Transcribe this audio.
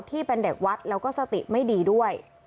ที่เป็นเด็กวัดแล้วก็สติไม่ดีด้วย